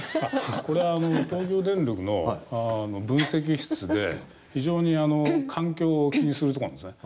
これ、東京電力の分析室で非常に環境を気にするところなんですね。